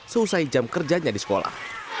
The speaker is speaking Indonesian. seusai jam kerjanya di sekolah